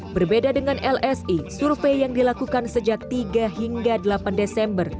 berbeda dengan lsi survei yang dilakukan sejak tiga hingga delapan desember